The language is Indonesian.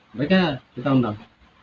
mereka kita undang